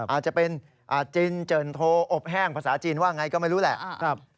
อาจจะเป็นอาจินเจินโทอบแห้งภาษาจีนว่าไงก็ไม่รู้แหละ